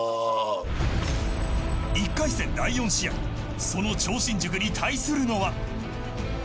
１回戦第４試合その超新塾に対するのは。